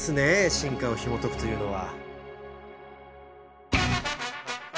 進化をひもとくというのは。